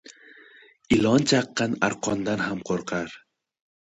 • Ilon chaqqan arqondan ham qo‘rqar.